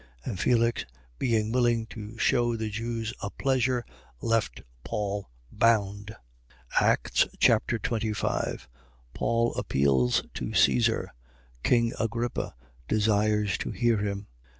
And Felix being willing to shew the Jews a pleasure, left Paul bound. Acts Chapter 25 Paul appeals to Caesar. King Agrippa desires to hear him.